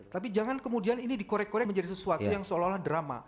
tapi jangan kemudian ini dikorek korek menjadi sesuatu yang seolah olah drama